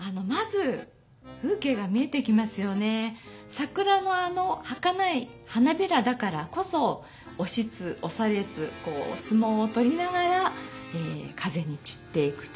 桜のあのはかない花びらだからこそおしつおされつこうすもうをとりながら風にちっていくという。